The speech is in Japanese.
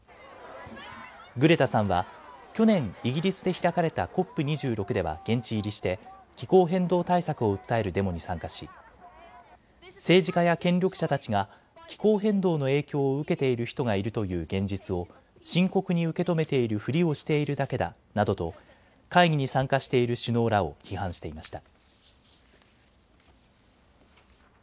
グレタさんは去年イギリスで開かれたＣＯＰ２６では現地入りして気候変動対策を訴えるデモに参加し政治家や権力者たちが気候変動の影響を受けている人がいるという現実を深刻に受け止めているふりをしているだけだなどと会議に参加している首脳らを批判していました。